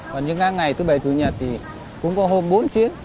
còn những cái ngày thứ bảy thứ nhật thì cũng có hôm bốn chuyến